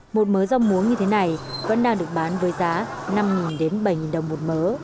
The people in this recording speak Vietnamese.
một mớ rau muống như thế này vẫn đang được bán với giá năm đến bảy đồng một mớ